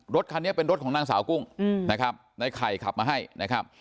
รถคันนี้เป็นรถของนางสาวกุ้งนะครับในไข่ขับมาให้นะครับ